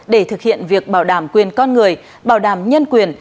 để thực hiện việc bảo đảm quyền con người bảo đảm nhân quyền